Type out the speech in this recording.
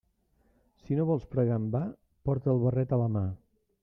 Si no vols pregar en va, porta el barret a la mà.